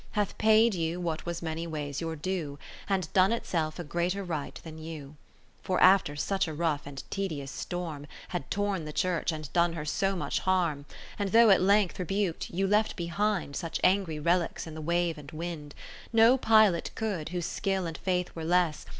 Hath paid you what was many ways your due. And done itself a greater right than ^ you. 30 For after such a rough and tedious storm Had torn the Church, and done her so much harm ; And (though at length rebuk'd, yet) left behind Such angry relics, in the wave and wind ; No Pilot could, whose skill and faith were less.